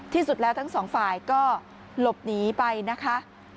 ที่สุดแล้วทั้งสองฝ่ายก็หลบหนีไปนะคะ